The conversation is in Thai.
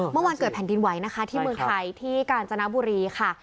เมื่อวันเกิดแผ่นดินไหวนะคะที่เมืองไทยที่กาญจนบุรีค่ะ